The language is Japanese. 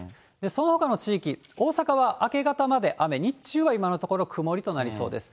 そのほかの地域、大阪は明け方まで雨、日中は今のところ曇りとなりそうです。